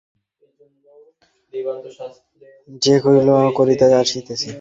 সে কহিল আমি তোমার নিকটে কিছু প্রার্থনা করিতে আসিয়াছি।